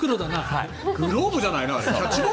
グローブなんじゃない？